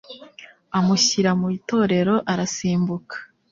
Amushyira mu itorero arasimbuka